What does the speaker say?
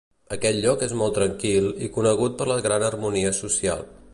Aquest lloc és molt tranquil i conegut per la gran harmonia social.